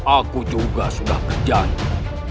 aku juga sudah berjanji